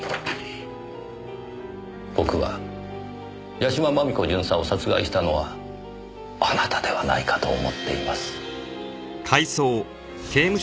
僕は屋島真美子巡査を殺害したのはあなたではないかと思っています。